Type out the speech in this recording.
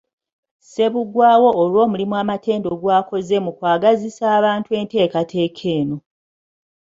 Ssebuggwaawo olw'omulimu amatendo gw'akoze mu kwagazisa abantu enteekateeka eno.